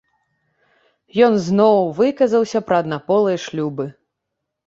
Ён зноў выказаўся пра аднаполыя шлюбы.